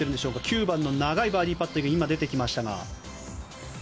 ９番の長いバーディーパットが今出てきましたが。